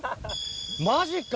マジか！